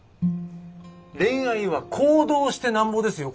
恋愛は行動してナンボですよ！